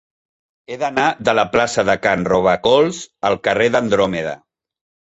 He d'anar de la plaça de Can Robacols al carrer d'Andròmeda.